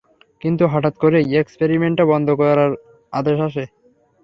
কিন্তু হঠাৎ করেই এক্সপেরিমেন্টটা বন্ধ করার আদেশ আসে।